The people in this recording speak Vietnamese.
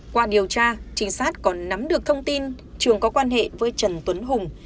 qua điều tra trinh sát còn nắm được thông tin trường có quan hệ với trần tuấn hùng